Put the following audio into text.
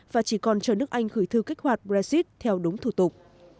và chỉ còn chờ nước anh gửi thư kích hoạt brexit theo đúng thủ tục